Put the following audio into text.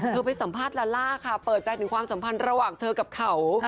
ไปสัมภาษณ์ลาล่าค่ะเปิดใจถึงความสัมพันธ์ระหว่างเธอกับเขา